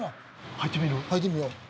入ってみよう。